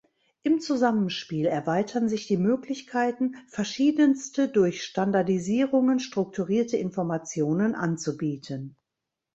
Im Zusammenspiel erweitern sich die Möglichkeiten, verschiedenste, durch Standardisierungen strukturierte Informationen anzubieten.